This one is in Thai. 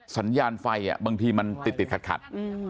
สัญญาณไฟบางทีมันติดขัด